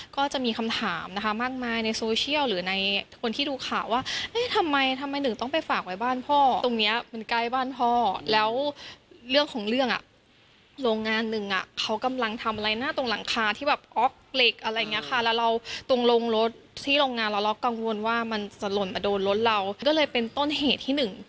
ก็กังวลว่ามันจะหล่นมาโดนรถเราก็เลยเป็นต้นเหตุที่หนึ่ง